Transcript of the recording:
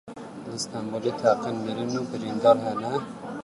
Li Stenbolê teqîn Mirî û birîndar hene.